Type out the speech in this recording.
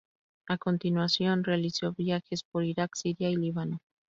A continuación realizó viajes por Iraq, Siria y Líbano.